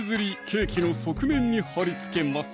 ケーキの側面に貼り付けます